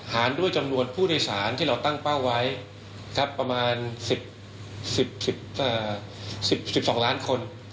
หารด้วยจำนวนผู้โดยสารที่เราตั้งเป้าไว้ประมาณ๑๒ล้านคน